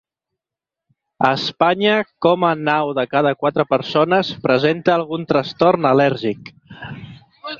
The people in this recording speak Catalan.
A Espanya coma na u de cada quatre persones presenta algun trastorn al·lèrgic.